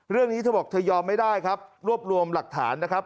เรื่องนี้เธอบอกเธอยอมไม่ได้ครับรวบรวมหลักฐานนะครับ